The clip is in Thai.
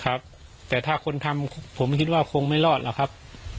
ครับแต่ถ้าคนทำผมคิดว่าคงไม่รอดหรอกครับ